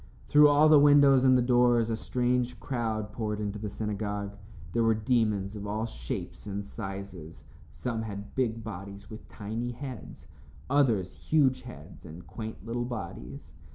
Through all the windows and the doors a strange crowd poured into the synagogue. There were demons of all shapes and sizes. Some had big bodies with tiny heads, others huge heads and quaint little bodies.